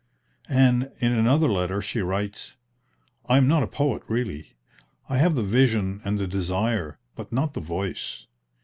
And, in another letter, she writes: "I am not a poet really. I have the vision and the desire, but not the voice.